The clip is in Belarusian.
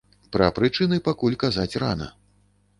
Пра прычыны пакуль казаць рана.